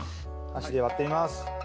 箸で割ってみます。